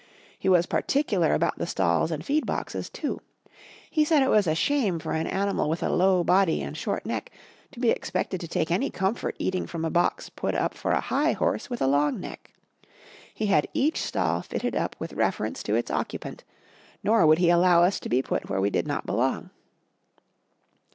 He was particular about the stalls and feed boxes, too. He said it was a shame for an animal with a low body and short neck to be expected to take any comfort eating from a box put up for a high horse with a long neck. He had each stall fitted up with reference to its occupant, nor would he allow us to be put where we did not belong.